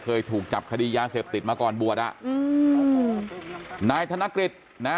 เคยถูกจับคดียาเสพติดมาก่อนบวชอ่ะอืมนายธนกฤษนะ